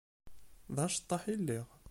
D aceṭṭaḥ i lliɣ.